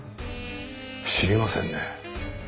知りませんね。